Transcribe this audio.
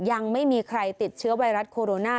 ยังไม่มีใครติดเชื้อไวรัสโคโรนา